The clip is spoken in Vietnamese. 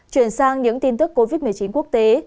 chuyển sang những tin tức covid một mươi chín quốc tế